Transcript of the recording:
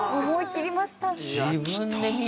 思いきりましたね。